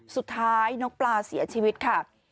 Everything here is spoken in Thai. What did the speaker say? สุดท้ายน้องปลาเสียชีวิตค่ะ